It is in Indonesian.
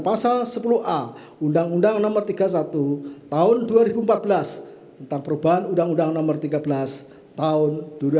pasal sepuluh a undang undang no tiga puluh satu tahun dua ribu empat belas tentang perubahan undang undang no tiga belas tahun dua ribu delapan belas